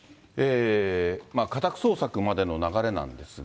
家宅捜索までの流れなんですが。